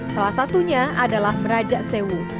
salah satunya adalah meraja sewu